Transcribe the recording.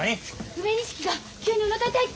梅錦が急におなか痛いって！